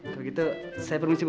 kalau gitu saya permisi bu